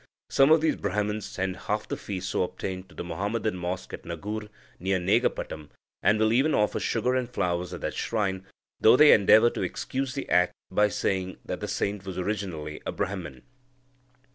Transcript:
Some of these Brahmans send half the fee so obtained to the Muhammadan mosque at Nagur near Negapatam, and will even offer sugar and flowers at that shrine, though they endeavour to excuse the act by saying that the saint was originally a Brahman.